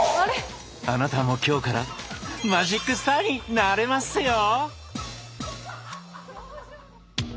あなたも今日からマジックスターになれますよ！